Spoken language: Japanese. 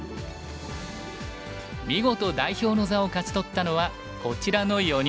見事代表の座を勝ち取ったのはこちらの４人。